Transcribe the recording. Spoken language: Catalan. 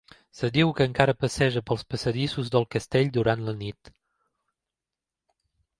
Es diu que encara passeja pels passadissos del castell durant la nit.